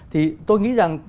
thì tôi nghĩ rằng